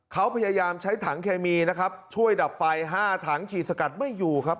เขาพยายามใช้ถังเคมีนะครับช่วยดับไฟ๕ถังฉีดสกัดไม่อยู่ครับ